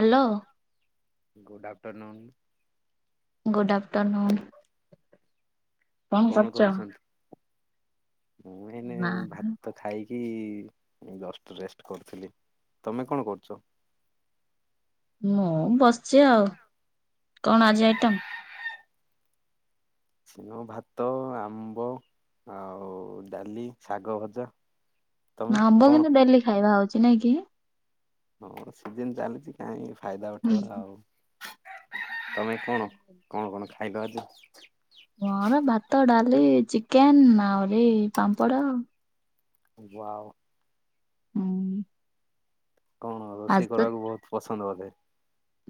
Hello. Good afternoon. Good afternoon. କଣ କରୁଛନ୍ତି ମୁଁ ଏଇନେ ନା ଭାତ ଖାଇକି ଯଷ୍ଟ ରେଷ୍ଟେ କରୁଥିଲି ତମେ କଣ କରୁଚ? ମୁଁ ବସିଚି ଆଉ କଣ ଆଜି ଆଇଟମ୍? [unintelligible] ଭାତ ଆମ୍ବ ଆଉ ଡାଲି ଶାଗ ଭଜା ତମେ ଆମ୍ବ କଣ? କିନ୍ତୁ ଡେଲି ଖାଇବା ହଉଚି ନାଇଁକି? ହଁ ସିଜନ୍ ଚାଲିଚି କାହିଁକି ଫାଇଦା ଉଠେଇବା ଆଉ। ତମେ କଣ କଣ କଣ ଖାଇଲ ଆଜି? ମୋର ଭାତ ଡାଲି ଚିକେନ୍ ଆହୁରି ପାମ୍ପଡ଼। ବାଉ ହୁଁ। କଣ ରୋଷେଇ କରିବାକୁ ବହୁତ୍ ପସନ୍ଦ ବୋଧେ?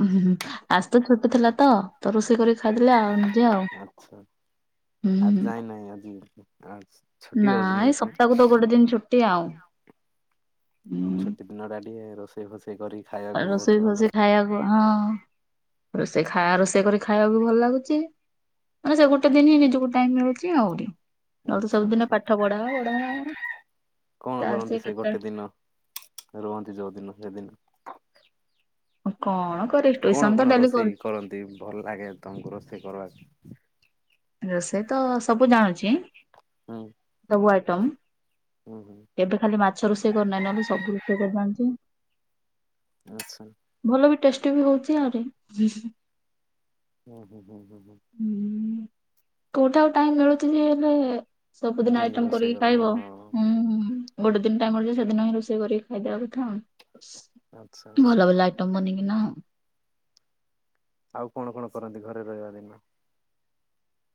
ଉୁଁ ଆସତ ଛୋଟ ଥିଲାତ ତରୋଷେଇ କରି ଖାଇଦେଲି ଆଉ। ଆଉ ଆଛା ହୁଁ ଆଯାଇ ନାହିଁ ଆଜି ଆଛ୍ ନାଇଁ ସପ୍ତାହକୁତ ଗୋଟେ ଦିନି ଛୁଟି ଆଉଁ ହୁଁ। ଛୁଟି ଦିନଟା ଟିକେ ରୋଷେଇ ଫୋଷେଇ କରିକି ଖାଇବାକୁ ରୋଷେଇ ବହୁତ୍ ଫୋଷେଇ ଭଲ। ଖାଇବାକୁ ହଁ ରୋଷେଇ ଖା ରୋଷେଇ କରି ଖାଇବାକୁ ଭଲ ଲାଗୁଚି। ମାନେ ସେଗୋଟେ ଦିନି ନିଜକୁ ଟାଇମ୍ ମିଳୁଚି ଆହୁରି। ଆଉତ ଆଚ୍ଛା ସବୁଦିନ ଆଚ୍ଛା। ପାଠ ପଢାହବ ପଢାହବ ଆମର କଣ କରନ୍ତି ଚାଲିଚି ସେ ଟୋଟାଲି ଗୋଟେ ଦିନ ରୁହନ୍ତି ଯୋଉଦିନ ସେଦିନ? ଉ କଣ କରି କଣ କଣ ଟିଉସନତ ଡେଲି ରୋଷେଇ କରୁ କରନ୍ତି ଭଲ ଲାଗେ ତମକୁ ରୋଷେଇ କରିବାକୁ? ରୋଷେଇତ ସବୁ ଜାଣୁଚି ହୁଁ ସବୁ ଆଇଟମ୍ ହୁଁ ହୁଁ। ଏବେ ଖାଲି ମାଛ ରୋଷେଇ କରିନାହିଁ ନହେଲେ ସବୁ ରୋଷେଇ କରି ଜାଣିଚି। ଆଚ୍ଛା। ଭଲବି ଟେଷ୍ଟିବି ହଉଚି ଆଉରି ହୁଁ ହୁଁ ହୁଁ। ହୁଁ। କୋଉଠି ଆଉ ଟାଇମ୍ ମିଳୁଚିଯେ ଏବେ ସବୁଦିନ ଡେଲି ଆଇଟମ୍ ରୋଷେଇ କରିକି କର ଖାଇବ ହଁ। ହୁଁ ହୁଁ। ଗୋଟେ ଦିନ ଟାଇମ୍ ମିଳୁଚି ସେଦିନ ହିଁ ରୋଷେଇ କରିକି ଖାଇଦବା କଥା ଆଉ। ଆଚ୍ଛା ହଁ ଭଲ ହଁ ଭଲ ଆଇଟମ୍ ବନେଇକିନା ଆଉ। ଆଉ କଣ କଣ କରନ୍ତି ଘରେ ରହିବା ଦିନ?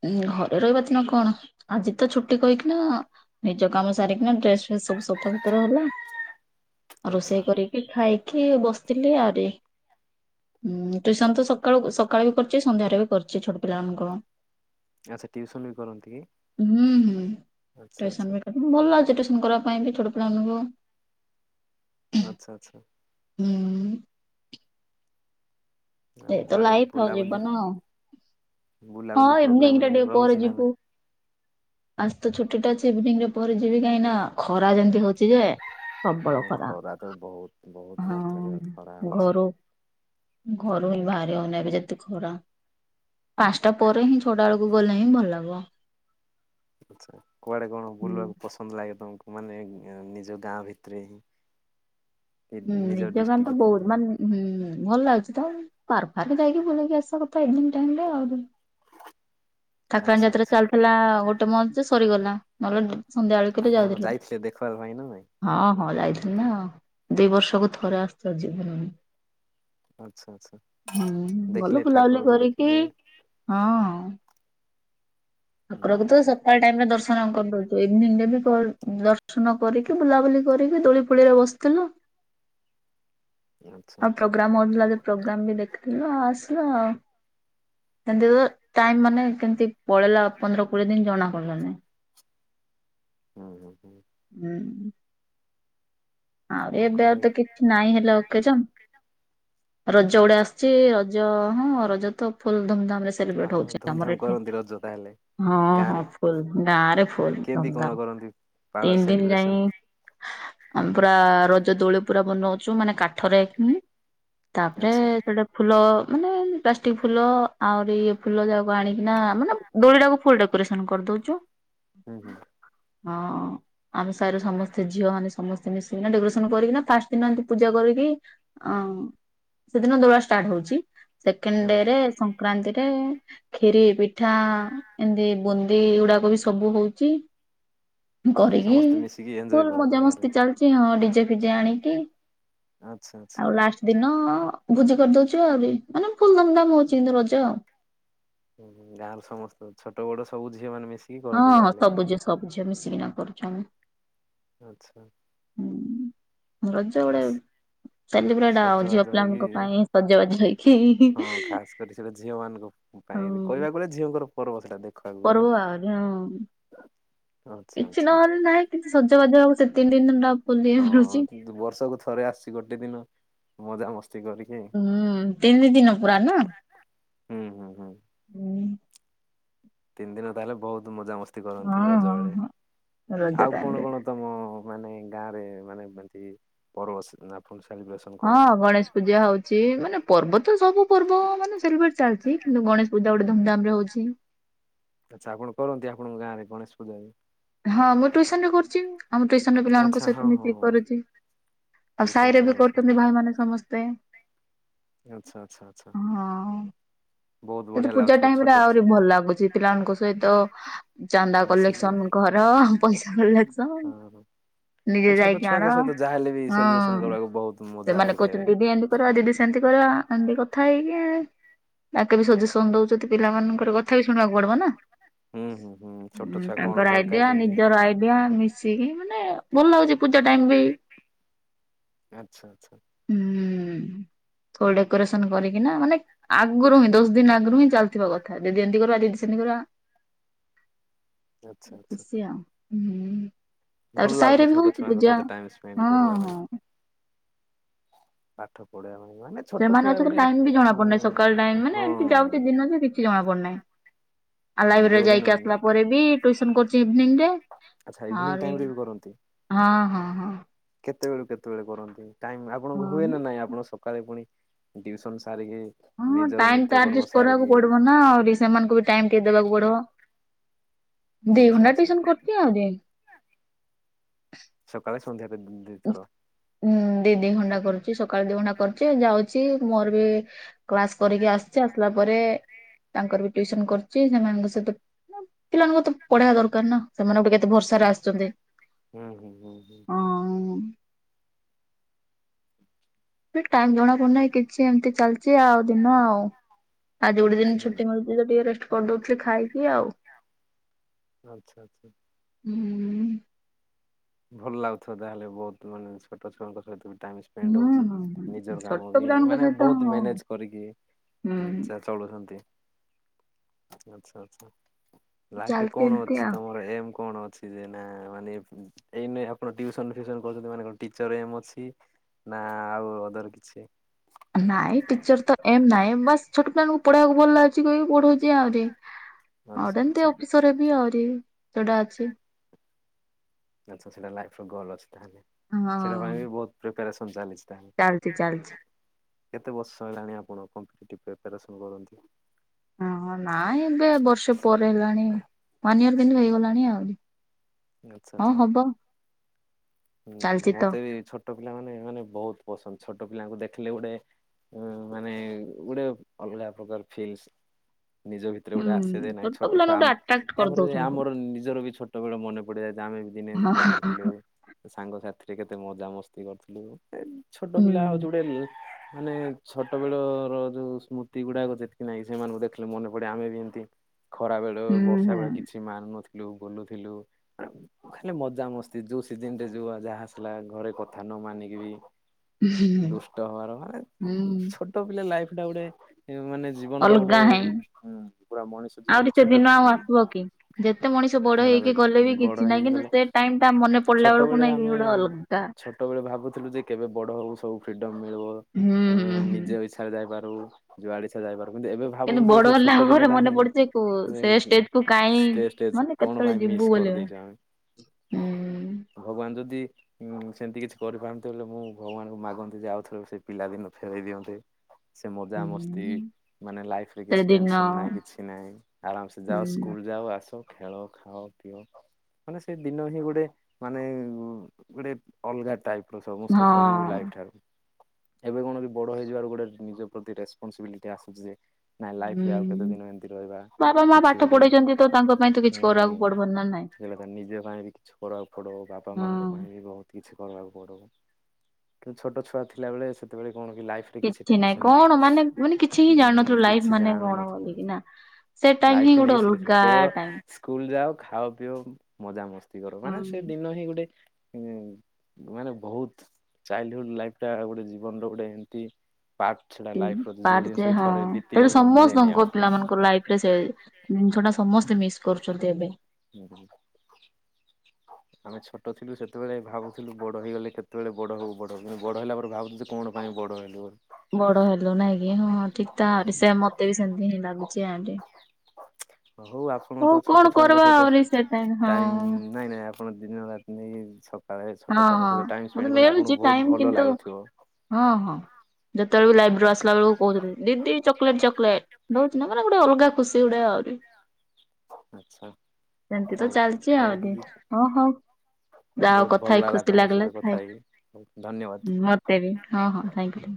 ଉ ଘରେ ରହିବାର ଦିନ କଣ ଆଜିତ ଛୁଟି କହିକିନା ନିଜ କାମ ସାରିକିନା ଡ୍ରେସ୍ ସବୁ ସଫାସୁତର ହେଲା ଆଉ ଆଚ୍ଛା ରୋଷେଇ କରି ଖାଇକି ବସିଥିଲି ଆହୁରି ହୁଁ ଟ୍ୟୁସନତ ସକାଳୁ ସକାଳୁବି କରିଚି ସନ୍ଧ୍ୟାରେବି କରୁଚି ଛୋଟ ପିଲାମାନଙ୍କୁ। ଆଚ୍ଛା ୍ୟୁସନବି କରନ୍ତିକି? ହୁଁ ହୁଁ ଟିଉସନବି କରେ ଭଲ ଲାଗୁଚି ଟିଉସନ୍ କରିବା ପାଇଁବି ଛୋଟ ପିଲା ମାନଙ୍କୁ। ଆଚ୍ଛା ଆଚ୍ଛା। ହୁଁ। ଆଉ ଏଇତ କୁଆଡେ ଲାଇଫ୍ ଆଉ ବୁଲାବୁଲି ଜୀବନ ହଁ ବୁଲାବୁଲି ପ୍ରୋଗ୍ରାମ ଇଭିନିଂ ଟା ଡେ଼ ରହୁଛି ପରେ ନା ଯିବୁ। ନାଇଁ? ଆଜି ତ ଛୁଟି ଟା ଅଛି ଇଭିନିଂରେ ପରେ ଯିବି କାହିଁକିନା ଖରା ଯେମିତି ହଉଛି ଯେ ପ୍ରବଳ ହଁ ଖରା ତ ଖରାପ ବହୁତ ବହୁତ ହଁ ମାତ୍ରାରେ ଖରା ହଉଛି। ଘରୁ ଘରୁ ହିଁ ବାହାରିହୋଉନି ଏବେ ଯେମିତି ଖରା ପାଞ୍ଚଟା ପରେ ହିଁ ଛଅଟାବେଳୁ କୁ ଗଲେ ହିଁ ଭଲ ହବ। ଆଛା କୁଆଡେ କଣ ହୁଁ ବୁଲିବାକୁ ପସନ୍ଦ ଲାଗେ ତମକୁ ମାନେ ନିଜ ଗାଁ ଭିତରେହିଁ। ହୁଁ ନିଜ ଗାଁ ତ ଡିଷ୍ଟ୍ରିକ୍ଟ ବହୁତ ମାନେ ହୁଁ ଭଲ ଲାଗୁଛି ତ ପାର୍କ ଫାର୍କ ଯାଇକି ବୁଲିକି ଆସିବା କଥା ଇଭି୍ନିଂ ଟାଇମରେ ଆଉ। ଠାକୁରାଣି ଆଚ୍ଛା ଯାତ୍ରା ଆଚ୍ଛା ଚାଲିଥିଲା ଗୋଟେ ମନ୍ଥ ଯେ ସରିଗଲା। ନହେଲେ ସନ୍ଧ୍ୟାବେଳେ କେବେ ଆପଣ ଯାଉଥିଲୁ? ଯାଇଥିଲେ ଦେଖିବା ପାଇଁ ନା ନାଇଁ? ହଁ ହଁ ଯାଇଥିଲି ନା ଦିଇ ବର୍ଷକୁ ଥରେ ଆସି ଯିବିନି ଆଚ୍ଛା ଆଚ୍ଛା ହୁଁ ଗଲୁ ଦେଖିଲେ ବୁଲାବୁଲି ଠାକୁରକୁ କରିକି ଦେଖିଲେ ହଁ। ହୁଁ ଠାକୁରକୁ ହୁଁ ତ ସଫା ଟାଇମରେ ଦର୍ଶନ କରିଦଉଛୁ ଇଭିନିଙ୍ଗରେ ବି ପ ଦର୍ଶନ କରିକି ବୁଲାବୁଲି କରିକି ଦୋଳି ଫୋଳିରେ ବସିଥିଲୁ। ହୁଁ ଆଚ୍ଛା ଆଉ ଆଚ୍ଛା ପ୍ରୋଗ୍ରାମ ଲାଗି ପ୍ରୋଗ୍ରାମ ବି ଦେଖିଥିଲୁ ଆଉ ଆସିଲୁ ଆଉ ଏମିତିରେ ଟାଇମ ମାନେ କେମିତି ପଳେଇଲା ପନ୍ଦର କୋଡିଏ ଦିନ ଜଣା ପଡ଼ିଲାଣି। ହୁଁ ହୁଁ ହୁଁ। ହୁଁ। ଆହୁରି ଏବେ ଆଉ ତ କିଛି ନାଇଁ ହେଲେ ଅକେଜନ ରଜ ଗୋଡେ ଆସିଚି ରଜ ହଁ ରଜ ତ ଫୁଲ ଧୁମଧାମ ରେ ସେ ସେଲିବ୍ରେଟ ଆଉ ହଉଚି ଧୁମଧାମ ଆମର ଏଠି। କରନ୍ତି ରଜ ତାହେଲେ ହଁ ଗାଁ ହଁ ରେ ଫୁଲ ଗାଁରେ ଫୁଲ କେମିତି କଣ ଧୁମଧାମ। କରନ୍ତି? ପାଳ ତିନି ଦିନ ସେଲିବ୍ରେସନ ଯାଏଁ ପୁରା ରଜ ଦୋଳି ପୁରା ବନଉଛୁ ମାନେ କାଠରେ ହିଁ ତାପରେ ଆଚ୍ଛା। ସେଟ ଫୁଲ ମାନେ ପ୍ଲାଷ୍ଟିକ ଫୁଲ ଆହୁରି ଇଏ ଫୁଲ ଯାହାକୁ ଆଣିକିନା ମାନେ ଦୋଳିଟାକୁ ଫୁଲ୍ ଡେକୋରେସନ କରିଦଉଛୁ। ହୁଁ ହୁଁ। ହଁ ଆମ ସାହିର ସମସ୍ତେ ଝିଅ ମାନେ ସମସ୍ତେ ମିଶିକିନା ଡେକୋରେସନ କରିକିନା ଫାଷ୍ଟ ଦିନ ଏମତି ପୂଜା କରିକି ଅ ସେଦିନ ଦୋଳା ଷ୍ଟାର୍ଟ ହଉଛି। ସେକେଣ୍ଡ ହଁ। ଡେ ରେ ସଂକ୍ରାନ୍ତିରେ ଖିରି ପିଠା ଏମତି ବୁନ୍ଦି ଏଗୁଡାକ ବି ସବୁ ହଉଛି। କରିକି ସମସ୍ତେ ମିଶିକି ଏଞ୍ଜୟ ଫୁଲ୍ କରନ୍ତି ମଜା ମସ୍ ତାହେଲେ। ସ୍ତି ଚାଲିଛି ହଁ ଡିଜେ ଫିଜେ ଆଣିକି ଆଚ୍ଛା ଆଚ୍ଛା ଆଉ ଲାଷ୍ଟ ଦିନ ଭୋଜି କରିଦୋଉଛୁ ଆହୁରି ମାନେ ଫୁଲ୍ ଧୁମଧାମ ହଉଛି କିନ୍ତୁ ରଜ ଆଉ। ହୁଁ ହୁଁ ଗାଁ ର ସମସ୍ତ ଛୋଟ ବଡ ସବୁ ଝିଅ ମାନେ ମିଶି ହଁ ହଁ ସବୁ ଝିଅ ସବୁ ଝିଅ ମିଶିକିନା କରୁଚୁ ଆମେ। ଆଚ୍ଛା। ହଁ ରଜବେଳେ ବାସ୍ ସେଲିବ୍ରେଟ ଆଉ ଝିଅ ସଜବାଜ ହେଇକି ପିଲାଙ୍କ ପାଇଁ ସଜବାଜ ହେଇକି ହଁ ଖାସ୍ କରି ସେଟା ଝିଅ ମାନଙ୍କ ପାଇଁ ହଁ କହିବାକୁ ଗଲେ ଝିଅଙ୍କର ପର୍ବ ସେଟା ଦେଖିବାକୁ ଗଲେ। ପର୍ବ ଆହୁରି ହଁ। ଆଚ୍ଛା କିଛି ଆଚ୍ଛା। ନହେଲେ ନାହିଁ ସଜବାଜ ହବୁ ସେ ତିନି ଦିନ ଡପ। ହଁ କିନ୍ତୁ ବର୍ଷକୁ ଥରେ ଆସିଚି ଗୋଟେ ଦିନ ମଜାମସ୍ତି କରିକ। ହୁଁ ତିନି ଦିନ ପୁରା ନୁହଁ? ହୁଁ ହୁଁ ହୁଁ। ଉଁ। ତିନି ଦିନ ତାହେଲେ ବହୁତ ମଜାମସ୍ତି କରନ୍ତି ହଁ ରଜ ହଁ ବେଳେ। ହଁ ରଜ ଆଉ ଟାଇମ କଣ ରେ। କଣ ତମ ମାନେ ଗାଁ ରେ ମାନେ ମେନ୍ତି ପର୍ବ ସେଠ ନା ଫୁଲ୍ ସାଲିବ୍ରେସନ୍? ହଁ ଗଣେଶ ପୂଜା ହୋଉଚି। ମାନେ ପର୍ବ ତ ସବୁ ପର୍ବ ମାନେ ସେଲିବେଟ ଚାଲଚି। କିନ୍ତୁ ଗଣେଶ ପୂଜା ଗୋଟେ ଧୁମଧାମ ରେ ହୋଉଚି। ଆଚ୍ଛା ଆପଣ କରନ୍ତି ଆପଣଙ୍କ ଗାଁରେ ଗଣେଶ ପୂଜାରେ? ହଁ ମୁଁ ଟ୍ୟୁସନ ରେ କରୁଚି। ଆମ ଟ୍ୟୁସନ ରେ ପିଲାମାନଙ୍କ ଆଚ୍ଛା ହଁ ସଇତ ହଁ ମିଶିକି ହଁ କରୁଚି। ଆଉ ଟିଉସନ ସାଇରେ ବି ପିଲାଙ୍କ ସହ କରୁଚନ୍ତି ଭାଇମାନେ ସମସ୍ତେ। ଆଚ୍ଛା ଆଚ୍ଛା ଆଚ୍ଛା। ହଁ। ବହୁତ କିନ୍ତୁ ବଢିଆ ପୂଜା ଲାଗୁଥିବ ଟାଇମ ରେ ଛୋଟ ଆହୁରି ଛୁ ଭଲ ଲାଗୁଚି ପିଲାମାନଙ୍କ ସଇତ। ଚାନ୍ଦା ମିଶିକି ହଁ କଲେକ୍ସନ ଘର ପଇସା କଲେକ୍ସନ। ନିଜେ ଏ ଛୋଟ ଯାଇକି ଆଣ। ଛୁଆଙ୍କ ସହିତ ଯାହାହେଲେ ବି ହଁ ସେଲିବ୍ରେସନ କରିବାକୁ ବହୁତ ମଜା ସେମାନେ ଲାଗିଥାଏ। କୋଉଚନ୍ତି ଦିଦି ଏମତି କର, ଦିଦି ସେମତି କର ଏମିତି କଥା ହେଇକି ତାଙ୍କେ ବି ସଜେସନ ଦୋଉଚନ୍ତି। ପିଲାମାନାନଙ୍କର ଗତ କଥା ବି ଶୁଣିବାକୁ ପଡିବ ନା। ହୁଁ ହୁଁ ହୁଁ ଛୋଟ ଉଁ ଛୁଆ ତାଙ୍କ କଣ ଙ୍କର ଦରକାର ଆଇଡିଆ କେମିତି ନିଜର ଆଇଡିଆ ମିଶିକି ମାନେ ଭଲ ଲାଗୁଚି ପୂଜା ଟାଇମ ବି। ଆଚ୍ଛା ଆଚ୍ଛା ହୁଁ ଥଅ ଡେକୋରେସନ କରିକିନା ମାନେ ଆଗରୁ ହିଁ ଦଶ ଦିନ ଆଗରୁ ହିଁ ଚାଲ ଥିବ କଥା। ଦିଦି ଏମତି କରିବା ଦିଦି ସେମିତି କରିବା। ଆଚ୍ଛା ଆଚ୍ଛା ଖୁସି ଆଉ ହୁଁ। ତାପରେ ଭଲ ସାହିରେ ଲାଗୁଥୁବ ବି ଛୋଟ ହଉଛି ଛୁଆଙ୍କ ପୂଜା। ସଇତ ଟାଇମ ସ୍ପେଣ୍ଡ ହଁ କରିବା ପାଇଁ। ହଁ ପାଠ ପଢିବା ପାଇଁ। ମାନେ ଛୋଟ ସେମାନେ ଛୁଆ ଅଛନ୍ତି ଗୋଟେ ଟାଇମ ବି ଜଣା ପଡୁନେଇଁ। ଉଁ ସକାଳ ଟାଇମ ମାନେ ହଁ ଏମତି ଯାଉଚି ଦିନ ଯେ କିଛି ଜଣା ପଡୁନାହିଁ। ଆଉ ଲାଇବ୍ରେରୀରେ ଯୋଉଦିନ ଯାଇକି ଆସିଲା ପରେ ବି ଟୁଇସନ କରୁଛି ଇଭିନିଂରେ। ଆହୁରି ହଁ। ହଁ ହଁ। କେତୋଳୁ କେତୋବେଳେ କରନ୍ତି? ଟାଇମ ଆପଣଙ୍କୁ ହୁଏ ହଁ। ନା ନାଇଁ? ଆପଣ ସବ ସକାଳେ ପୁଣି ଟ୍ୟୁସନ ସାରିକି। ହଁ ନିଜର ଟାଇମ ତ ନିତ୍ୟକର୍ମ ଆଜେଷ୍ଟ କରିବାକୁ ସାରିକି ପଡିବ ନା। ଆଉ ରିସ ସେମାନଙ୍କୁ ବି ଟାଇମ ଟିଏ ଦେବାକୁ ପଡିବ। ଦି ଘଣ୍ଟା ଟୁଇସନ କରୁଚି ଆଉ ଯେ। ନାଇଁ ସକାଳେ ସନ୍ଧ୍ୟା ବେଦ ଦି ଥର। ହୁଁ ଦି ଦି ଘଣ୍ଟା କରୁଚି ସକାଳେ ଦି ଘଣ୍ଟା କରୁଚି ଯାଉଚି। ମୋର ବି କ୍ଲାସ କରିକି ଆସଚି। ଆସିଲା ପରେ ତାଙ୍କର ବି ଟ୍ୟୁସନ କରୁଚି। ସେମାନଙ୍କ ସଇତ ପିଲାମାନଙ୍କୁ ତ ପଢେଇବା ଦରକାର ନା ସେମାନେ ଗୋଟେ କେତେ ଭରସାରେ ଆସୁଚନ୍ତି। ହୁଁ! ହୁଁ! ହୁଁ! ହୁଁ! ହୁଁ! ବି ଟାଇମ ଜଣା ପଡୁନାହିଁ କିଛି ଏମିତି ଚାଲଚି ଆଉ ଦିନ ଆଉ। ଆଜି ଗୋଟେ ଦିନ ହୁଁ ଛୁଟି ମିଳ ନି ଟିକେ ରେଷ୍ଟ କରଦୋଉଥିଲି ଖାଇକି ଆଉ। ଆଚ୍ଛା ଆଚ୍ଛା। ହୁଁ! ଭଲ ଲାଗୁଥିବ ତାହେଲେ ବହୁତ। ମାନେ ଛୋଟ ଛୁଆଙ୍କ ସଇତ ବି ଟାଇମ ସ ସ୍ପେଣ୍ଡ ହୋଉଚି। ହୁଁ ନିଜ କାମ ଛୋଟ ବି ପିଲାମାନଙ୍କ ମାନେ ସହିତ ବହୁତ ହଁ ମେନେଜ କରିକି ଚାଲ ଚଳୁଚନ୍ତି। ଆଚ୍ଛା ଆଚ୍ଛା। ଲାଇଫ ରେ ଚାଲିଛି କଣ ଏମିତି ଅଛି ଆଉ ତମର ଏମ କଣ ଅଛି? ଯେ ନା ମାନେ ଏଇନେ ଆପଣ ଟିଉସନ୍ ଫଉସନ୍ କରୁଚନ୍ତି ମାନେ କଣ ଟିଚର୍ ଏମ୍ ଅଛି ନା ଆଉ ଅଦର୍ କିଛି? ନାଇଁ ଟିଚର୍ ତ ଏମ ନାଇଁ, ବାସ୍ ଛୋଟ ପିଲାମାନଙ୍କୁ [unintelligible] ଭଲ୍ ଲାଗୁ ଚି [unintelligible] ପଢଉଚି ଆହୁରି ଆଚ୍ଛା [unintelligible] ଏମ୍ତି ଆଚ୍ଛା ଅଫିସରେ ହେବି ଆହୁରି [unintelligible] ଅଛି। ଆଚ୍ଛା ସେଟା ଲାଇଫ୍ ର ଗୋଲ୍ ଅଛି ତାହେଲେ, ହଁ ସେଇଟା ପାଇଁ ବି ବହୁତ ପ୍ରିପାରେସନ୍ ଚାଲିଛି। ତାହେଲେ। ଚାଲ୍ଚି-ଚାଲ୍ଚି। କେତେ ବର୍ଷ ହେଲାଣି ଆପଣ କମ୍ପିଟେଟିଭ୍ ପ୍ରିପାରେସନ୍ କରନ୍ତି? ହଁ ନାଇଁ ଏବେ ବର୍ଷ ପରେ ହେଲାଣି, ୱାନ୍ ଇୟର କିନ୍ତୁ ହେଇଗଲାଣି ଆଉ। ଆଚ୍ଛା-ଆଚ୍ଛା। ହୁଁ-ହୁଁ ଚାଲିଚି ତ। ମତେ ବି ଛୋଟ ପିଲାମାନେ ମାନେ ବହୁତ୍ ପସନ୍ଦ, ଛୋଟ ପିଲାଙ୍କୁ ଦେଖିଲେ ଗୋଟେ ଉଁ ମାନେ ଗୋଟେ ଅଲଗା ପ୍ରକାର ଫିଲ୍ ନିଜ ଭିତେରେ ହୁଁ ଗୋଟେ ଆସେ ଯେ ନାଇଁ ଛୋଟ ପିଲାଙ୍କୁ ଛୁଆ ଗୋଟେ ଆମେ, ଆଟ୍ରାକ୍ଟ ତାପରେ କରିଦଉଛନ୍ତି। ଆମର ନିଜର ବି ଛୋ ଟବେଳ ମନେ ପଡିଯଏ ଯେ ଆମେ ବି ଦିନେ ଏମ୍ତି ହଁ ଛୋଟ ଥିଲୁ, ସାଙ୍ଗସାଥିରେ କେତେ ମଜାମସ୍ତି କରିଥିଲୁ। ଏ ଛୋଟ ହୁଁ ପିଲା ହଉଚି ଗୋଟେ ମାନେ ଛୋଟବେଳର ଯୋଉ ସ୍ମୃତି ଗୁଡାକ [unintelligible] ନାହିଁ ସେମାନଙ୍କୁ ଦେଖିଲେ ମନେ ପଡେ ଆମେ ବି ଏମ୍ତି ଖରାବେଳ ହୁଁ ବର୍ଷାବେଳେ କିଛି ମାନୁ ନଥି ଲୁ ବୁଲୁଥିଲୁ ଖାଲି ମଜାମସ୍ତି ଯୋଉ ସି ଜିନ୍ ରେ ଯୋଉ ଯାହା ଆସିଲା ଘରେ କଥା ନ ମାନିକି ବି ହୁଁ ଦୁଷ୍ଟ ହବାର ମାନେ ହୁଁ ଛୋଟ ପିଲା ଲାଇଫ୍ ଟା ଗୋଟେ ମାନେ ଜୀବନ ର ଗୋଟେ ଅଲଗା ହେଇଁ ପୁରା ମଣିଷ ଆହୁରି ଜୀବନଟା ସେ ଛୋଟ ଦିନ ଆଉ ଜୀବନ। ଆସିବ କି? ଯେତେ ମଣିଷ ବଡ ହେଇକି ଗଲେ ବି [unintelligible] କିଛି ବଡ ନାହିଁ ହେଇକି କିନ୍ତୁ ଗଲେ ସେ ଟାଇମ ଟା ମନେ ପଡିଲା ଛୋଟ ବେଳକୁ ବେଳେ ନାଇଁ କି ଆମେ ଗୋଟେ ଅଲଗା। ଛୋଟବେଳେ ଭାବୁଥିଲୁ ଯେ କେବେ ବଡ ହବୁ ସବୁ ଫ୍ରିଡମ୍ ମିଳିବ, ହୁଁ ହୁଁ ହୁଁ। ନିଜେ ଇଚ୍ଛାରେ ଯାଇପାରୁ ଯୁଆଡେ ଇଚ୍ଛା ଯାଇପାରୁ କିନ୍ତୁ ଏବେ ଭାବୁଚୁ ଯେ ବଡ ସେ ହେଲା ଛୋଟ ପରେ ଦିନଟା ମନେ ହିଁ ପଡୁଛି କୋ ସେ ଷ୍ଟେଜ କୁ କାଇଁ ଷ୍ଟେଜ୍-ଷ୍ଟେଜ୍ ମାନେ କଣ କେତେବେଳେ ପାଇଁ ଯିବୁ ମିସ୍ ବୋଲି। କରିଦେଇଚୁ ଆମେ। ହୁଁ। ଭଗବାନ୍ ଯଦି ହୁଁ ସେମ୍ତି କିଛି କରିପାରନ୍ତେ [unintelligible] ମୁଁ ଭଗବାନଙ୍କୁ ମାଗନ୍ତି ଯେ ଆଉଥରେ ସେ ପିଲାଦିନ ଫେରେଇ ଦିଅନ୍ତେ। ସେ ମଜା ମସ୍ତି ହୁଁ। ମାନେ ଲାଇଫ୍ ରେ ସେ କିଛି ଦିନ ଟେନ୍ସନ୍ ନାହିଁ କିଛି ନାହିଁ ଆରାମ୍ସେ ଯାଅ ହୁଁ ସ୍କୁଲ୍ ଯାଅ ଆସ। ଖେଳ ଖାଅ ପିଅ ମାନେ ସେ ଦିନ ହିଁ ଗୋଟେ ମାନେ ଗୋଟେ ଅଲଗା ଟାଇପ୍ର ସମସ୍ତ ସବୁ ଲାଇଫ୍ ହଁ। ଠାରୁ। ଏବେ କଣ କି ବଡ ହେଇଯିବାରୁ ଗୋଟେ ନିଜ ପ୍ରତି ରେସ୍ପନ୍ସିବିଲିଟି ଆସୁଚି ଯେ ନାଇଁ ଲାଇଫ୍ ରେ ଆଉ କେତେ ହୁଁ। ଦିନ ଏମ୍ତି ରହିବା, ବାବା ମା କିଛି ପାଠ ଗୋଟେ ହୁଁ ପଢେଇଛନ୍ତି ତ ତାଙ୍କ ପାଇଁ ତ କିଛି କରିବାକୁ ପଡିବ ନା ନାଇଁ। ସେଇ କଥା ନିଜ ପାଇଁ ବି କିଛି [unintelligible] ପଡିବ ବାପା ମାଙ୍କ ହଁ। ପାଇଁ ବହୁତ୍ କିଛି କରିବାକୁ ପଡ଼ିବ କିନ୍ତୁ ଛୋଟ ଛୁଆ ଥିଲାବେଳେ ସେତେବେଳେ କଣ କି ଲାଇଫ୍ କିଛି ନାଇଁ ଟେନ୍ସନ୍ ନାହିଁଁ କଣ ମାନେ ମାନେ କିଛି ହିଁ ଉଁ ଜାଣିନଥିଲୁ ଲାଇଫ କିଛି ମାନେ ଜାଣୁ କଣ ନଥିଲୁ। ବୋଲିକି ନା। ସେ ଟାଇମ ହିଁ ଲାଇଫକୁ ଗୋଟେ ନେଇକି ସିରିଅସ୍ ନୁହଁ ଅଲଗା କେବଳ ଟାଇମ। ସ୍କୁଲ୍ ଯାଅ ଖାଅ ପିଅ ମଜା ମସ୍ତି କର ମାନେ ସେ ହୁଁ। ଦିନ ହିଁ ଗୋଟେ ହୁଁ, ମାନେ ବହୁତ୍ ଚାଇଲ୍ଡହୁଡ୍ ଲାଇଫ୍ ଟା ଗୋଟେ ଜୀବନର ଗୋଟେ ଏମ୍ତି ପାର୍ଟ ସେଟା ହୁଁ ଲାଇଫ ର ଯୋଉ ପାର୍ଟ ଜିନିଷ ଯେ କି ହଁ ଥରେ ବିତି ସେଠି ଗଲେ ମିଳେନି ଆଉ। ସମସ୍ତଙ୍କ ପିଲାମାନଙ୍କ ଲାଇଫ ରେ ସେ ଜିନିଷଟା ସମସ୍ତେ ମିସ୍ କରୁଚନ୍ତି ଏବେ। [unintelligible] ଆମେ ଛୋଟ ଥିଲୁ ସେତେବେଳେ ଭାବୁଥିଲୁ ବଡ ହେଇଗଲେ କେତେବେଳେ ବଡ ହବୁ ବଡ କିନ୍ତୁ ବଡ ହେଲା ପରେ ଭାବୁଚୁ ଯେ କଣ ପାଇଁ ବଡ ହେଲୁ? ବଡ ହେଲୁ ନାଇଁ କି ହଁ ଠିକ ତାରି ସେ ହୁଁ, ମତେ ବି ସେମତି ହିଁ ଲାଗୁଛି [unintelligible] ହଉ ଆପଣଙ୍କୁ ହଉ ତ କଣ ଛୋଟ ଛୁଆଙ୍କ କରିବା ସହିତ ଆହୁରି ସେ ଟାଇମ ଟାଇମ୍ ହଁ। ନାଇଁ ନାଇଁ ଆପଣ ଦିନ ରାତି ନେଇକି ସ କାଳେ ହଁ ଛୋଟ ଛୁଆଙ୍କ ହଁ ସହିତ ଟାଇମ୍ ମତେ ସ୍ପେଣ୍ଡ କଲେ ମିଳୁଛି ଆପଣଙ୍କୁ ବହୁତ ଟାଇମ ଭଲ କିନ୍ତୁ ଲାଗୁଥିବ। ହଁ ହଁ ଯେତେବେଳେ ବି ଲାଇବ୍ରିରୁ ଆସିଲା ବେଳକୁ କହୁଥିଲି। ଦିଦି ଚକୋଲେଟ ଚକୋଲେଟ [unintelligible] ମାନେ ଗୋଟେ ଅଲଗା ଖୁସି ଗୋଟେ ଆହୁରି। ଆଚ୍ଛା ସେମତି ତ ହଉ ଚାଲିଛି ହଉ ଆହୁରି ଦିଦି ହଁ ହଉ। ଯା ହଉ ବହୁତ କଥା ଭଲ ହେଇ ଖୁସି ତମ ଲାଗିଲା ସହିତ ଥାଙ୍କ କଥା ହେଇକି ହଉ ଧନ୍ୟବାଦ। ୟୁ ମ ତେ ବି ହଁ ହଁ ଥାଙ୍କ ୟୁ ଥାଙ୍କ ୟୁ।